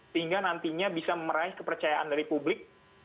sehingga nantinya bisa meraih kepercayaan dari publik